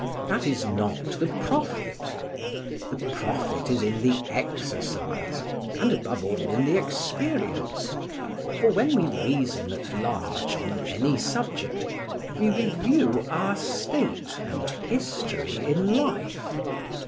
That is not the profit. The profit is in the exercise, and above all in the experience; for when we reason at large on any subject, we review our state and history in life.